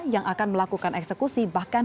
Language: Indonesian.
yang akan melakukan eksekusi bahkan